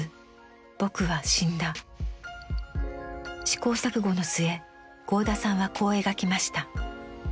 試行錯誤の末合田さんはこう描きました。